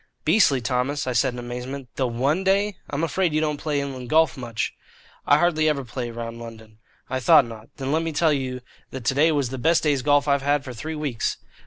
"Beastly, Thomas?" I said in amazement. "The one day? I'm afraid you don't play inland golf much?" "I hardly ever play round London." "I thought not. Then let me tell you that today's was the best day's golf I've had for three weeks."